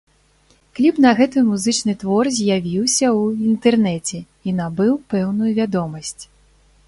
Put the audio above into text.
Кліп на гэты музычны твор з'явіўся ў інтэрнэце і набыў пэўную вядомасць.